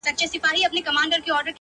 د ښایستونو خدایه سر ټیټول تاته نه وه.